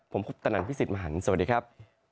ผมคุปตะนันพี่สิทธิ์มหันฯสวัสดีครับ